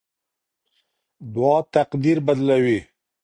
دعا تقدیر بدلوي.